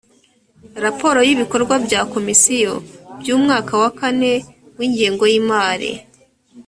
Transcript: raporo y ibikorwa bya komisiyo by umwaka wa kane wingengo yimari